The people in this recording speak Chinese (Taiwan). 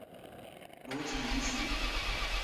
邏輯已死